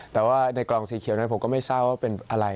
แต่ว่าในกล่องสีเขียวนั้นผมก็ไม่ทราบว่าเป็นอะไร